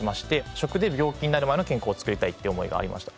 食で病気になる前の健康を作りたいという思いがありました。